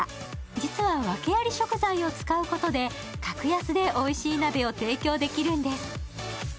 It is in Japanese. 実は訳あり食材を使うことで格安でおいしい鍋を提供できるんです。